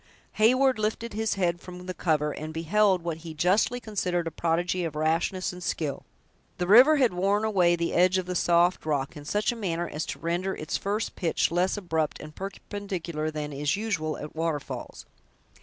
Heyward lifted his head from the cover, and beheld what he justly considered a prodigy of rashness and skill. The river had worn away the edge of the soft rock in such a manner as to render its first pitch less abrupt and perpendicular than is usual at waterfalls.